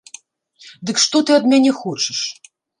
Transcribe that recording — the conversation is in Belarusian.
Дык што ты ад мяне хочаш?